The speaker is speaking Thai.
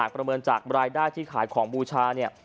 หลังจากรายได้ที่ขายของบูชาเนี่ย